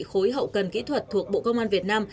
khối hậu cần kỹ thuật thuộc bộ công an việt nam